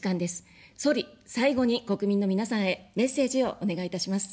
総理、最後に国民の皆さんへメッセージをお願いいたします。